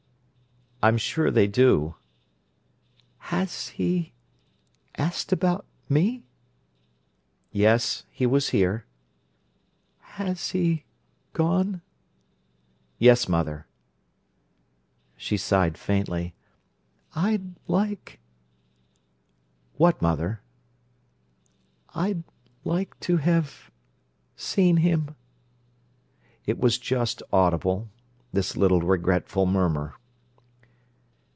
"I'm sure they do." "Has he—asked about me?" "Yes, he was here." "Has he—gone?" "Yes, mother." She sighed faintly. "I'd like—" "What, mother?" "I'd like to have—seen him." It was just audible, this little regretful murmur.